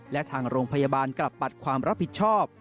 และทางโรงพยาบาลกลับปัดความรับผิดชอบ